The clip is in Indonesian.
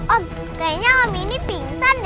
om kayaknya om ini pingsan deh